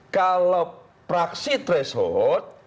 kalau praksi threshold